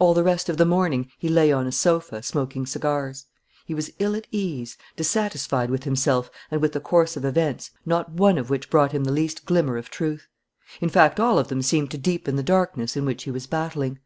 All the rest of the morning he lay on a sofa, smoking cigars. He was ill at ease, dissatisfied with himself and with the course of events, not one of which brought him the least glimmer of truth; in fact, all of them seemed to deepen the darkness in which he was battling.